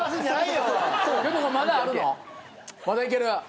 まだいける？